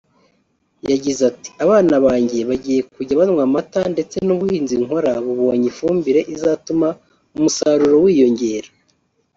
yagize ati “ Abana banjye bagiye kujya banywa amata ndetse n’ubuhinzi nkora bubonye ifumbire izatuma umusaruro wiyongera”